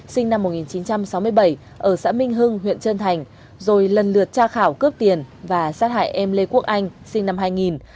sinh năm một nghìn chín trăm sáu mươi bảy ở xã minh hưng huyện trân thành rồi lần lượt tra khảo cướp tiền và sát hại em lê quốc anh sinh năm hai nghìn